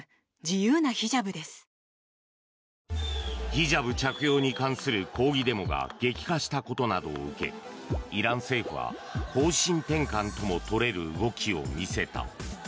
ヒジャブ着用に関する抗議デモが激化したことなどを受けイラン政府は方針転換ともとれる動きを見せた。